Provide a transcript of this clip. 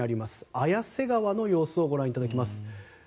綾瀬川の様子をご覧いただきます。